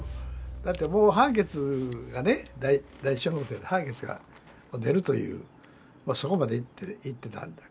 だってもう判決がね第一小法廷で判決が出るというそこまでいってたんだからね。